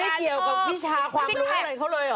ไม่ได้เกี่ยวกับพี่ชาความรู้อะไรของเขาเลยหรอ